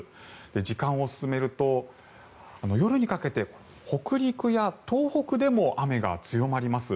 時間を進めると、夜にかけて北陸や東北でも雨が強まります。